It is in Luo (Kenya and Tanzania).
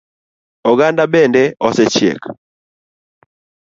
Oganda bende osechiek?